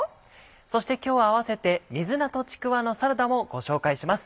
そして今日は併せて「水菜とちくわのサラダ」もご紹介します